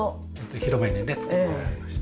広めにね作ってもらいました。